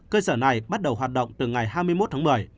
cơ sở này bắt đầu hoạt động từ ngày hai mươi một tháng một mươi